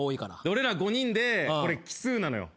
俺ら５人でこれ奇数なのよ。